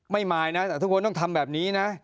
ไม่มายนะแต่ทุกคนต้องทำแบบนี้นะ